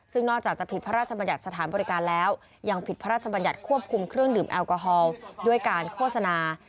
ซึ่งนอกจากจะผิดพระราชบัญญัติสถานบริการแล้วยังผิดพระราชบัญญัติควบคุมเครื่องดื่มแอลกอฮอล์ด้วยการโฆษณา